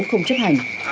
không chấp hành